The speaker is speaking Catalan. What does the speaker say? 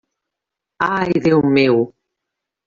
Ai, Déu meu!